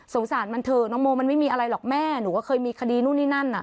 สารมันเถอะน้องโมมันไม่มีอะไรหรอกแม่หนูก็เคยมีคดีนู่นนี่นั่นน่ะ